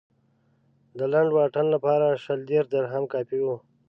د لنډ واټن لپاره شل دېرش درهم کافي و.